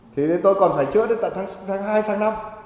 thì tôi còn phải chữa đến tháng hai hay tháng năm